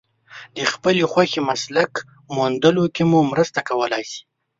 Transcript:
د خپلې خوښې مسلک موندلو کې مو مرسته کولای شي.